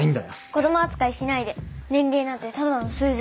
子供扱いしないで年齢なんてただの数字。